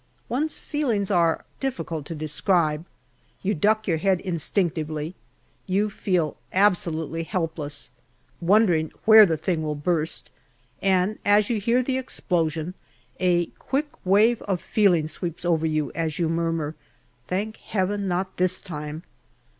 One's feelings are difficult to describe. You duck your head instinctively you feel absolutely helpless, wondering where the thing will burst, and as you hear the explosion a quick wave of feeling sweeps over you as you murmur, " Thank Heaven, not this time